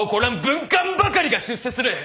文官ばかりが出世する！